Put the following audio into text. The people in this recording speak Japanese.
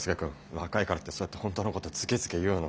若いからってそうやって本当のことをズケズケ言うの。